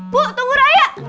bu tunggu raya